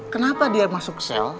kenapa dia masuk sel